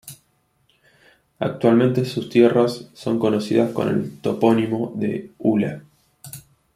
Actualmente sus tierras son conocidas con el topónimo de "Ula".